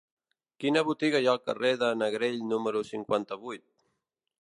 Quina botiga hi ha al carrer de Negrell número cinquanta-vuit?